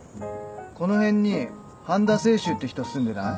この辺に半田清舟って人住んでない？